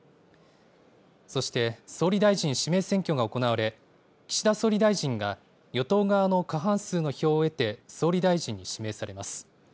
そして、総理大臣指名選挙が行われ、岸田総理大臣が、与党側の過半数の票を得て、総理大臣に指名されます。